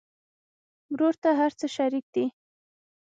ورور ته هر څه شريک دي.